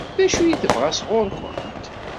D acu i tebɣa sɣur-kent?